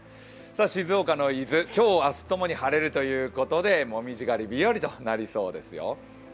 静岡の伊豆、今日、明日とともに、晴れるということで紅葉狩り日和ということになりそうですよ。